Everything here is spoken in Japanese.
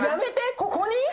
ここに？